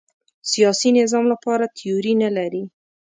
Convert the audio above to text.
سیاسي نظام لپاره تیوري نه لري